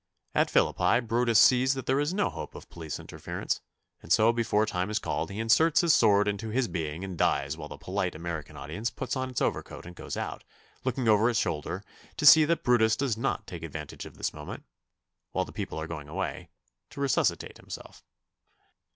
At Philippi, Brutus sees that there is no hope of police interference, and so before time is called he inserts his sword into his being and dies while the polite American audience puts on its overcoat and goes out, looking over its shoulder to see that Brutus does not take advantage of this moment, while the people are going away, to resuscitate himself.